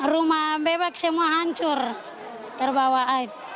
rumah bebek semua hancur terbawa air